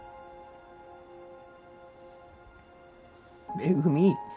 めぐみ。